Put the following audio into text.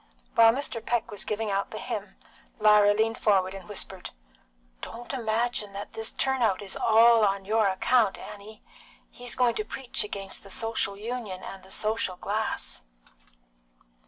While Mr. Peck was giving out the hymn, Lyra leaned forward and whispered "Don't imagine that this turnout is all on your account, Annie. He's going to preach against the Social Union and the social glass."